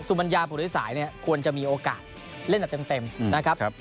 บรรยาภูริสายเนี่ยควรจะมีโอกาสเล่นแบบเต็มนะครับ